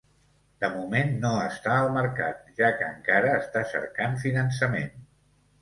De moment no està al mercat, ja que encara està cercant finançament.